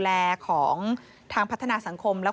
แล้วตอนนี้ศาลให้ประกันตัวออกมาแล้ว